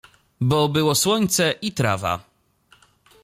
Bo było słońce i trawa.